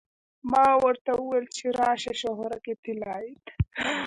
ما ورته وویل چې راشه شهرک طلایې ته.